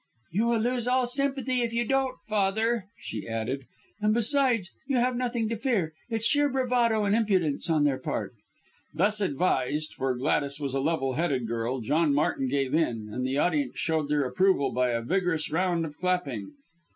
"You will lose all sympathy if you don't, Father," she added; "and besides you have nothing to fear. It's sheer bravado and impudence on their part." Thus advised, for Gladys was a level headed girl, John Martin gave in; and the audience showed their approval by a vigorous round of clapping.